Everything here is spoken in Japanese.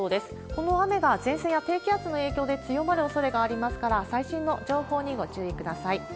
この雨が前線や低気圧の影響で強まるおそれがありますから、最新の情報にご注意ください。